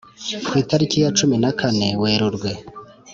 ku itariki ya cumi n' kane werurwe